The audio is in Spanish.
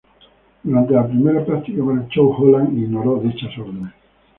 Durante la primera práctica para el show, Holland ignoró dichas órdenes.